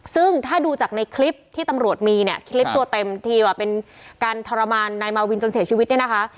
ซึ่งถ้าดูจากในคลิปที่ตำรวจมีเนี่ยคลิปตัวเต็มทีว่าเป็นการทรมานนายมาวินจนเสียชีวิตเนี่ยนะคะ